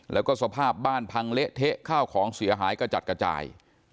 แล้วก็สภาพบ้านพังเละเทะข้าวของเสียหายกระจัดกระจาย